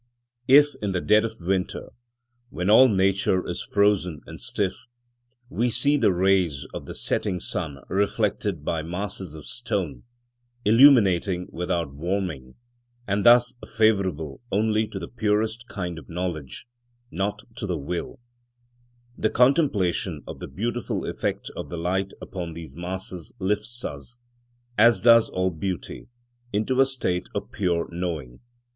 If, in the dead of winter, when all nature is frozen and stiff, we see the rays of the setting sun reflected by masses of stone, illuminating without warming, and thus favourable only to the purest kind of knowledge, not to the will; the contemplation of the beautiful effect of the light upon these masses lifts us, as does all beauty, into a state of pure knowing.